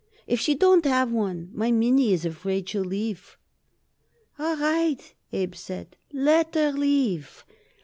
If she don't get one my Minnie is afraid she'll leave." "All right," Abe said, "let her leave.